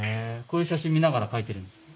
こういう写真見ながら描いてるんですか？